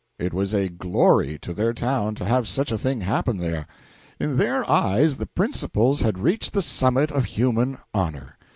It was a glory to their town to have such a thing happen there. In their eyes the principals had reached the summit of human honor.